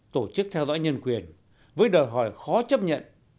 tổ chức theo dõi nhân quyền với đòi hỏi khó chấp nhận